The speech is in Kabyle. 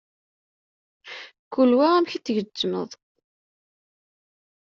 Kul wa amek i t-tgezmeḍ.